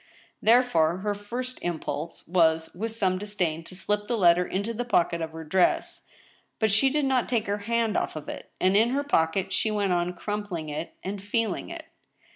Therefore, her first impulse was, wiUj some disdain to slip the letter into the pocket of her dress ; but she did not take her hand off . of it, and in her pocket she went on crumpling it and feeling it.